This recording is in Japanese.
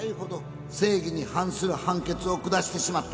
正義に反する判決を下してしまった